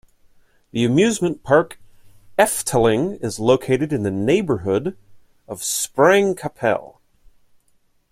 The amusement park Efteling is located in the neighbourhood of Sprang-Capelle.